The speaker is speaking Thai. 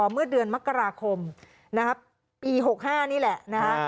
เมื่อเดือนมกราคมนะครับปี๖๕นี่แหละนะฮะ